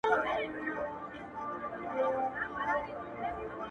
ژوند مي د هوا په لاس کي وليدی.